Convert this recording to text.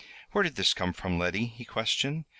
"Where did this come from, Letty?" he questioned.